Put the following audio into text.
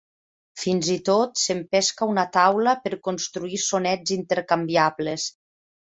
Fins i tot s'empesca una taula per construir sonets intercanviables.